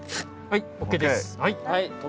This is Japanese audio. はいＯＫです。